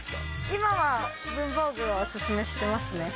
今は文房具をお勧めしていますね。